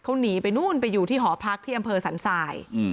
เขาหนีไปนู่นไปอยู่ที่หอพักที่อำเภอสันทราย